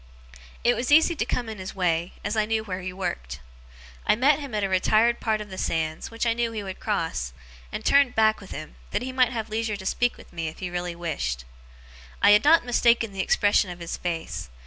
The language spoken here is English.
It was easy to come in his way, as I knew where he worked. I met him at a retired part of the sands, which I knew he would cross, and turned back with him, that he might have leisure to speak to me if he really wished. I had not mistaken the expression of his face.